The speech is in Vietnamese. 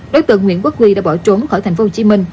đối tượng nguyễn quốc huy đã bỏ trốn khỏi tp hcm